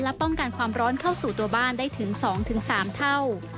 ป้องกันความร้อนเข้าสู่ตัวบ้านได้ถึง๒๓เท่า